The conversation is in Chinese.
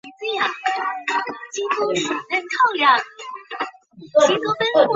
他还从印度东北部报道。